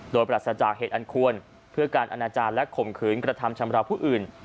โดยปรัสจากเหตุอันควรเพื่อการอนาจารย์และข่มขืนกระทำชำราวผู้อื่น